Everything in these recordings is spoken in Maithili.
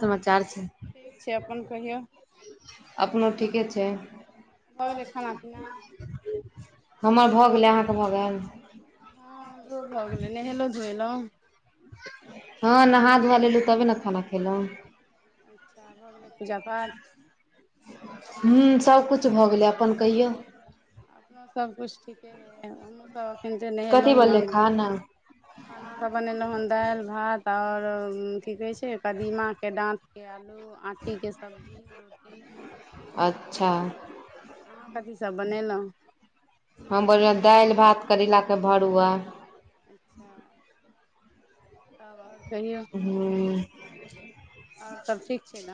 समाचार छै। ठीक छै अपन कहियौ। अपनो ठीके छै। भऽ गेलै खाना पीना हमर भऽ गेलै अहाँके भऽ गेल। हँ हमरो भऽ गेलै, नहेलो धोएलहुं? हँ नहा धुआ लेलहुँ तबे ने, खाना खेलहुँ। अच्छा भऽ गेलै पूजा पाठ हूं सब कुछ भऽ गेलै, अपन कहियौ। अपनो सभकिछु ठीके अय, हमहूँसभ एखन ते कथी नहेलहुँ बनलै हन। खाना खाना सब बनेलो हन दालि, भात और की कहे छै, कदीमा के डाँत के आलू आँठीके सब्जी रोटी। अच्छा! अहाँ कथी सब बनेलहुँ। हम बनेलहुं दालि, भात करेलाके भरुआ। अच्छा! तब आओर कहियौ। हूं। आओर सभ ठीक छै ने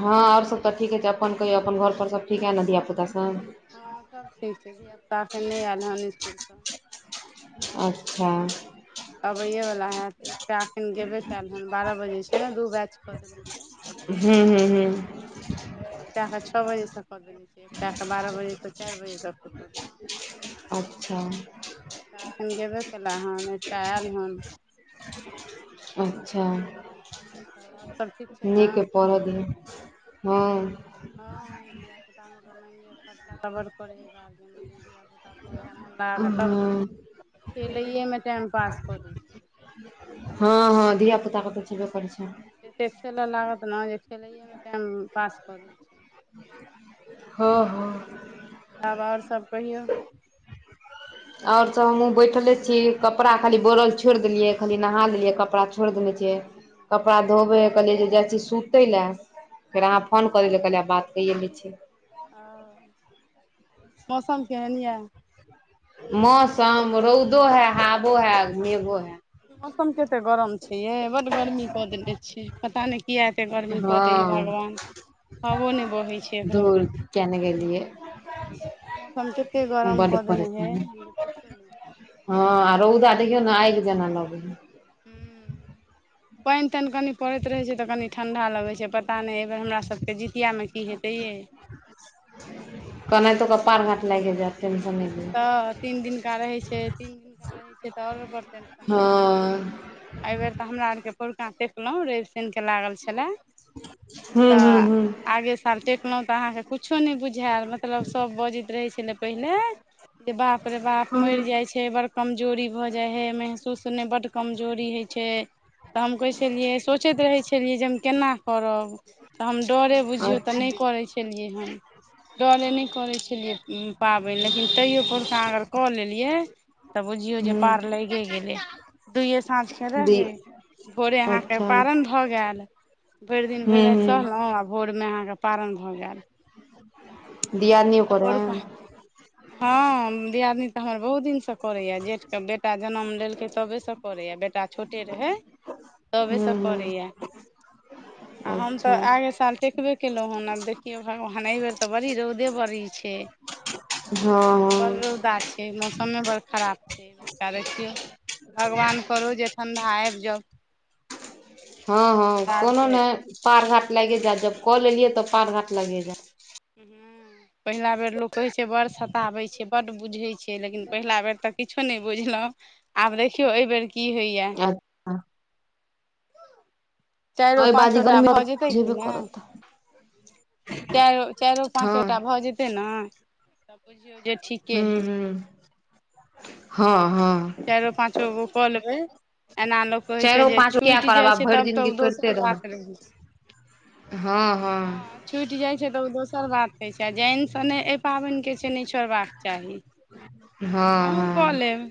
हँ आओर सभ तऽ ठीक छै, अपन कहियौ अपन घरप सभ ठीक हए ने धियापुतासभ। हँ सब ठीक छै, धियापुता अखन नहि आयल हन इसकुल से। अच्छा! अबैये वाला हयैत, एकटा अखन गेबे कयल हन, बारह बजे छै ने दू बैच कऽ देेल हूं-हूं। एक बेर एकटा के छः बजे से क देनेे छै, एकटा के बारह बजे से चारि बजे तक के। [unintelligible] अच्छा! छियै एकटा एखन गेबे केला हन, एकटा आयल हन। अच्छा! तऽ और। नीक के पढ़ल दिहैन हँ। खर्चा तऽ मानि लिअ खर्चा त बराबर करै है, गार्जियन लेकिन धिया- पुता पढ़य मोन लगा कऽ तब हँ ने, खेलैएमे टाईम पास कऽ दै छै। हँ -हँ धियापुताकेँ तऽ छयबे करै छै। एतेक खेलऽ लागत ने, जे खेलैएमे टाइम पास करैत छै। हं -हँ। आब आओर सब कहियौ। आओर सभ हमहूँ बैठले छी कपड़ा खाली बोड़ल छोड़ि देलियै खाली नहा लेलियै कपड़ा छोड़ि देने छियै। हूँ हूँ कपड़ा धोबै कहलियै जे जाइ छी सुतै लए फेर अहाँ फोन करै लय कहलियै बात कैइए लै छीयै। अँ मौसम केहन याऽ। मौसम रौदो है हाबो है मेघो है। मौसम केते गरम छै ये बड्ड गर्मी कऽ देनेे छै। पता नइ किया एते गर्मी कऽ देै है हँ भगवान हवो नइ बहै छै अखन। धूर किया न गेलियै। मौसम कते गरम बड कऽ देने है परेशानी जे पूछू नै। हँ रौदा देखियौ ने आगि जेना लगै हइ। हूँ। पाइन ताइन कनी पड़ैत रहे छै तऽ कनी ठंडा लगे छै पता नइ। अइ बेर हमरा सबके जितिआमे की हेतै यै। केनाहितो क पार घाट लाइगे जायत टेंशन नहि लिअ। तऽ तीन दिनका रहै छै तीन दिनका रहै छै तऽ आओरो बड़ टेंशन भऽ जाइ हइ। हँ अइबेर तऽ हमरा आरके पोरका टेकलहुँ रवि शैनिकेे लागल छलाय। हूँ -हूँ- हूँ। आगे साल टेकलहुँ तऽ अहाँके कुछो नै बुझायल मतलब सभ बजैत रहै छलै पहिले। गे बाप रे बाप हूँ मरि जाइ छै। हे बड़ कमजोरी भऽ जाइ हइ महसूस नहि बड्ड कमजोरी होइ छै। तऽ हम कहै छलियै सोचैत रहै छलियै जे हम केना करब। तऽ हम डरे हँ बुझियौ तऽ अच्छा नहि करै छी। केलियै हन डरे नहि करै छेलियै ऊ पाबनि लेकिन तइयो पोरका अगर कऽ लेल। लेलियै तऽ बुझियौ जे हूँ पार लैगे गेलै दुइए साँझके दी रहै। भोरे अहाँकेँ अच्छा हूँ पारण भऽ गायल भरि दिन भरि राति हूँ सहलहुँ आब। भोरमे अहाँकेँ पारण भऽ गायल। दियादनी। त ओकर है परौका हँ दियादनी तऽ हमर बहुत दिन सँ। करैए जेठके बेटा जनम लेलकै तबे सँ करैया बेट। बेटा छोटे रहै तबे हूँ सँ करैया। हूँ आ हम अच्छा तऽ आगे साल। टेकबे केलहुँ हन आब देखियौ भगवान एहिबेर तऽ बड़ी रौदे बड़ी छै। हँ बड़ हँ रौदा छै मौसमे बड़ खराब छै। अइ बेरका देखियौ भगवान करौ जे ठण्ढा आबि जाउ। हँ हँ हमरा कोनो आरके नइ पार घाट लाइगे जायत जब कऽ लेलियै तऽ पार घाट लाइगे जायत। ऊहू पहिला बेर लोग कहे छै बड़ सताबे छै बड्ड बुझै छै। हे लेकिन पहिला बेर तऽ किछो नहि बुझलौ आब देखियौ अइ बेर। की होइया। अच्छा अइ पाँचो बाजी टा भऽ गर्मियोतऽ जेतै बुझेबे करत। चाइरो चाइरो हँ पाँचोटा भऽ जेतै न तऽ बुझियौ जे ठीके हूँ हइ। हूँ हँ हँ। चाइरो पाचोगो कऽ लेबै। एना लोक कहै छै चारिगो जे पाँच गो किया छूटि करब जाइ आब छै भरि तब तऽ जिनगी ऊ करिते दोसर रहब बात रहै छै। हँ हँ। छुटि जाइ छै तऽ ऊ दोसर बात रहै छै आ जाइन सँ नै अइ पाबनिके छै नै छोड़बाक चाही। हँ अहूँ कऽ हँ। लेब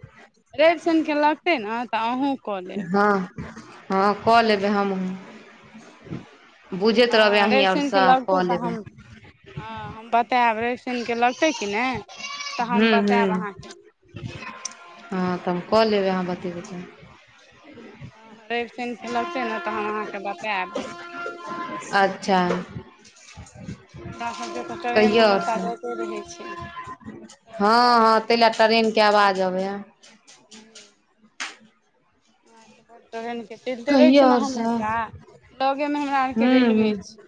रवि शाइन के लगतै ने तऽ अहूँ कऽ लेब। हँ हँ कऽ लेबै हमहूँ। बुझैत रहबै हँ अहीं रवि शनिके आओरसँ लगतै कऽ तऽ हम लेबै। हँ हम बतायब रैव शाइन के लगतै कि ने। तऽ हू हम - हू। बतायब अहाँके हँ तऽ हम कऽ लेबै अहाँ बतेबै तऽ। हँ रवि शैन लगतै ने तऽ हम अहाँकेँ बतायब। अच्छा कहिया आऔर से। से रहै छै। ट्रेनके हँ- आवाज हँ तै लए ट्रेनके आवाज अबैया। ह्म पर ट्रैन। चलते रहे कहियौ छै ने आओर सब हमेशा, लगे में हमरा आर के हूँ हूँ रेलवे छैय।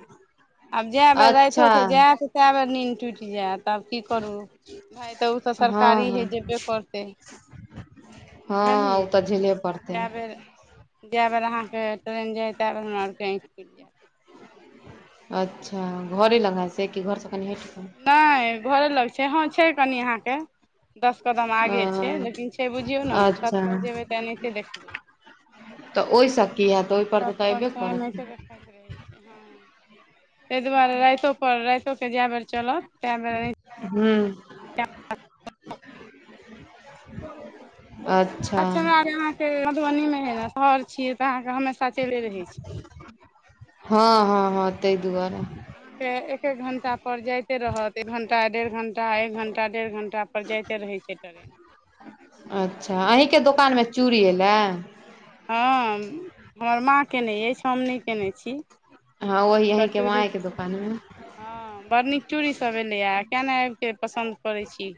आब जाए बेर अच्छा रातिओे को जायत तए बेर नींद टूटि जायत। तऽ आब की करू भाई उ तऽ हँ सरकारी हँ हइ जेबे करतै। बुझ हँ ओ तऽ झेलैऽ पड़तै। जए बेर- जए बेर अहाँके ट्रेन जाय तै बेर हमरा आरके आँखि खुलि जायत। अच्छा घरे लगाइ छै, कि घरसँ कनि हैट नहि घरे लग छै, हँ छै कनि अहाँके दस कदम आगे छै, कऽ लेकिन छै बुझियौ ने छत अच्छा पर जेबे तऽ एनाहिते देखबै। तऽ ओहिसँ की हतऽ ओहिपर तऽ तऽ अयबे करत। इत रहै छै हँ। ताहि दुआरे रैतो पर रैतो के जा बेर चलत तै बेर अं हूं। अच् अच्छा हमरा आ अहाँके मधुबनी में हय ने शहर छियै, तऽ अहाँके हमेशा चले रहै छै। हँ- हँ -हँ ताहि दुआरे। अहाँके एक एक घंटा पर जाइते रहत। एक घंटा, डेढ़ घंटा, एक घंटा, डेढ़ घंटा पर जाते रहे छै। कि करे। अच्छा अहींके दोकानमें चूड़ी एयलै। हँ हमर माँ केयने अइछ, हम नहि कयने छी। हँ वही तऽ यहींके चूड़ी माॅंएके दोकान में। हँ बड़ नीक चूड़ीसभ एलैए है, केिया नहि आबिक के पसन्द करै छी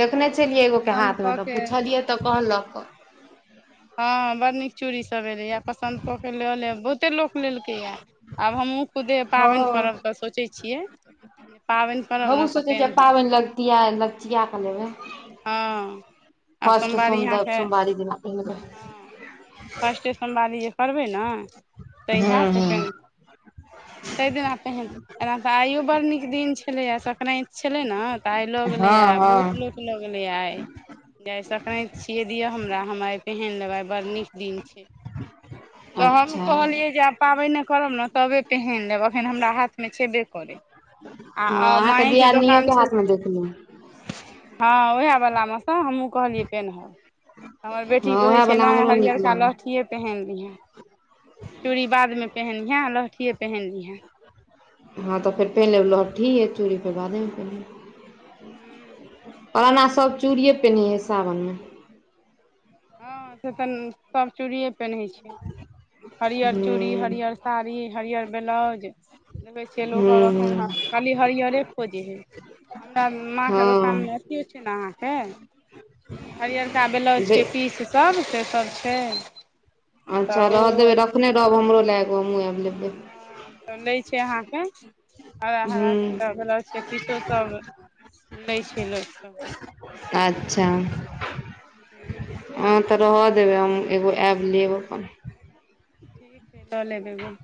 देखने छलियै एगो के पसन्द हाथ में, कऽ तऽ के पूछलियै तऽ कहलक। हँ बड़ड नीक चूड़ी सब एलेए है, पसन्द कऽ के लऽ लेब बहुते लोक लेलकै है, आब हमहुूँ खुदे पाबनि हँ करब तऽ सोचैत छियै। पाबनि पर हमहूं सोचै छियै पाबनि लगचिया- लगचिया कऽ लेबै। हँ। आब फर्स्ट सोमवारी सोम अहाँके -सोमबारी दिना पहिरबै। हँ फर्स्टे सममवारी जे करबै ने, तऽ इएह हूँ हूँ सेकेण्ड तैं दिना पहिर एना तऽ आइयो बड़ नीक दिन छलैए है, सक्रा्ति छलै ने तऽ आइ लऽ हँ गेलैए हँ बहुत लोक। लगले आइ, जेय सक्राति छियै दिय हमरा। हम पेहन लेबै, बड़ नीक दिन छै। तऽ हम अच्छा कहलियै जे आब पाबैने करब ने तबे पहैन लेब, अखन हमरा हाथ मे छेबे करै। आआ हँ अहाँके मांएके दोकान दियादनियोके छै हाथमे से देखलियै हँ उहै वला मेसँ हमहूँ कहलियै पेन्हब। हमर की हँ कहै उएह छै वला नै, हमरो नीक हरियरका लागल लहठीए पेहिन लीहें, चूड़ी बादमे पहिनहें लहठिये पहिनलीहें। हँ तऽ फेर पेन्ह लेब लहठी, याचूड़ीे त बादेमे पेन्ह लेब। ओना सब चूड़िए पेनहै हइ सावनमे। हँ से तऽ न-सभ चूड़िए पेन्है छै। हरिअर चूड़ी, हूँ हरिअर साड़ी, हरिअर ब्लाउज देखै छियै लोक और एख्खन हूँ खाली हरियरे खोजै हइ। हमरा माँ के दोकान हूँ मे अथियो छै ने अहाँके, ई हरियरका हँ बेलाउज। बे पीस सब, से सब छै। अच्छा तऽ रह ओ देबै, रखने रहब हमरो लय एग्गो हमहूँ आब लेबैय। हं, तब लै छै अहाँके हरा हरा छै तऽ, ह्म ब्लाउज के पीसो सब लै छै लोक सब। अच्छ हूं। हंक्षतऽ रहऽ देबै, हम्म एगो ऐब लेबऽ। ठीक हइ, लऽलेब एग्गो।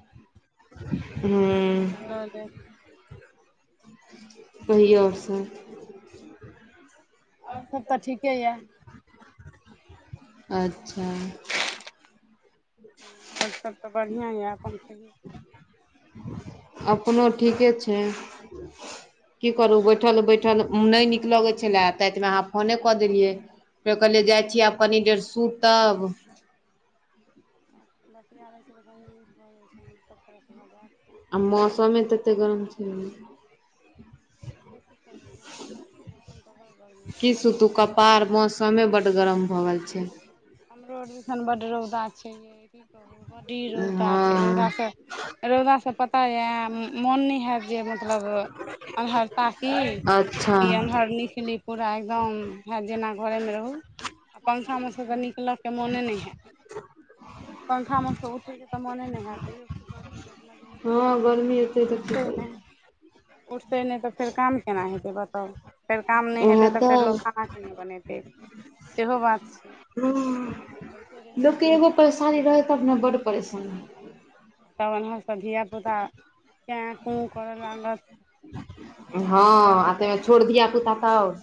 हँ एकटा ल लेब कहियौ और सब? और सब तऽ ठीके यैऽ। अच्छा। और सब तऽ बढ़िआँ यै, अप्पन कहियौ? अपनो ठीके छै की करू बैठल बैठल नय नीक लगै छलय, तातमे अहाँ फोने कऽ देलियै। फेर कहलियै जाइ हूँ छी आब कनि देर सूत् तब बतिया लै छै कनी नीक भऽ जाइ छै, मुड त फ्रेश भऽ जैत। आ मौसमे ततेक गरम छैने से की करबै मौसम त, मौसम तऽ बड्ड गरमी छै, बड्ड रौदा छै। समे बड्ड गरम भऽ गेल छै। हमरो आर दिसन बड्ड रौदा छै यै की कहू? बडी रौदा छै, रौदा हँ स, रौदा से पता यै, मोन नै हैत जे मतलब, अन्हर ताकि, आकि अच्छा अन्हर निखली। पूरा एकदम, हैत जेना घरे मे रहु, आ पंखा में से त नि- ल के मोने नय हैत, पंखा मे स उठय के तऽ मोने नय हैत, तैइयो की कर लोक मजबूरे हँ अपना, गर्मी एते तऽ की उठतौ नय। करबै उठतै नय तऽ फेर काम केना हेतैय बताउ। फेर काम नय हेतै तऽ फेर लोक खाना केना बनेतै? सेहो बात छै। हुं होइते - रहै लोकके छै एग्गो परेशानी रहै तब ने, बड्ड परेशानी तब एन्हर सभ धियापुता कें कुं करय लागत। हँ, आ तय मे छोट धिया पुता त और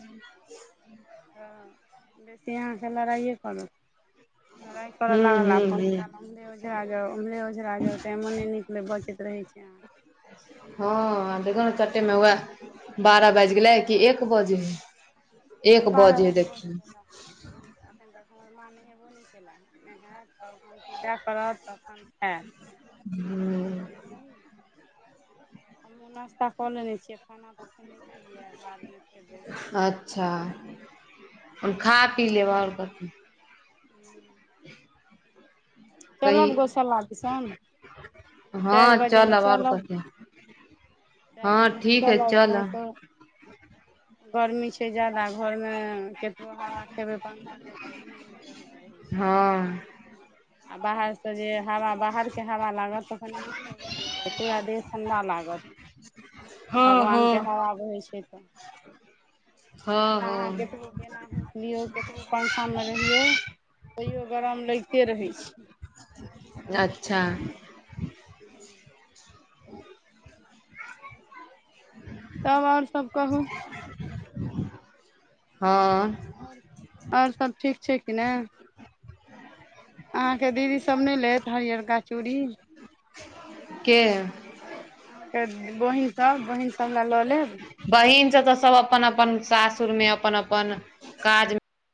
हँ, बेटी अहाँ के लड़ाइए करत। लड़ाई कर हूँ लागल आ हूँ पन हूँ [unintelligible] ओझरा जाउ उम्हरे ओझरा जाउ टाइमो नै निकलै बचत रहै छै अहाँके। हँ देखहो न चट्टे मे वैह बारह बाजि गेलै कि एक बजे हइ। एक बजे है देखियौ। अखनि तक हमर मां नहेबो नै केलै। नहैत तहन पूजा करत तखन खैत। हूं हमु नाश्ता कऽ लेने छियै खाना त अखनि नै खेलियैये बादमे खेबै। अच्छा अपन खा पी लेब और कथी। हूं [unintelligible] कही चलब गोशाला दिसन, चाइर हँ बजे मे आओर चलब। कथी चारि हँ बजे मे ठीक हइ चलब ऐना त गरमी छै जादा घरमे केतनो हावा खेबै पंखाके तऽ नै कहैत रहै छै। हँ आ बाहरस जे हवा बाहरके हवा लागत तऽ कनि नीक लगैत रहै छै पूरा देह ठण्डा लागत आ हँ भगवानके हँ हबा बहै छै तऽ आ हँ एना अहां हँ केतबो बेना बेना होंकि लियौ केतबो पंखा मे रहैयो तैयो गरम लगिते रहै छै। अच्छा बुझलीयै। तब और सब कहू। हँ और सब ठीक छै कि ने। अहाँके दीदी सब नै लेत हरिअरका चूड़ी? के? ए बहिनसभ बहिनसभ लै लऽ लेब। बहिन सब तऽ सब अपन अपन सासुर में अपन अपन काज मे